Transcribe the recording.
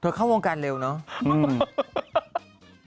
เธอเข้าวงการเร็วเนอะครับหรือเจ็ด